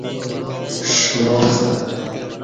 شُراستہ